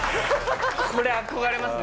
これ憧れますね。